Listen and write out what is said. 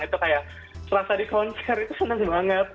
itu kayak selasa di konser itu senang banget